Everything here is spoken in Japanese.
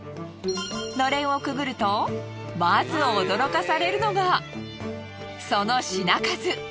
のれんをくぐるとまず驚かされるのがその品数。